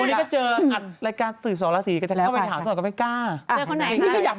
อืมอืมอืมอืมอืมอืมอืมอืม